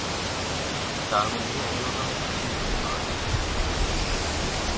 তার মধ্যে অন্যতম হচ্ছে ভূমিক্ষয়।